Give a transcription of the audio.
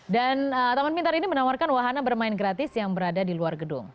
dan taman pintar ini menawarkan wahana bermain gratis yang berada di luar gedung